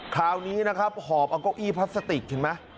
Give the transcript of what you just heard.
คราวนี้นะครับหอบเอาเก้าอี้พลัสสติกถึงมั้ย